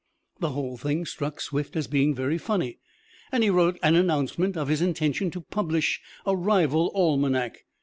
The whole thing struck Swift as being very funny; and he wrote an announcement of his intention to publish a rival almanac.